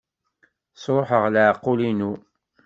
Sṛuḥeɣ leɛqel-inu.